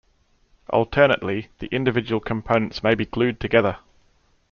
Alternately the individual components may be glued together.